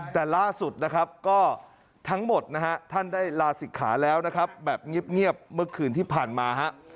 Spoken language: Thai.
แต่ล่าสุดทั้งหมดท่านได้ลาศิกขาแล้วแบบเงียบเมื่อคืนที่ผ่านมา